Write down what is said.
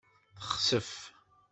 Texsef.